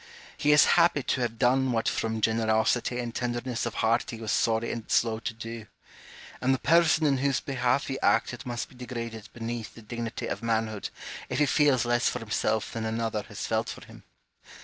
He is happy to have done what from generosity and tenderness of heart he was sorry and slow to do ; and the person in whose behalf he acted must be degraded beneath the dignity of manhood, if he feels less for himself than another has felt for him.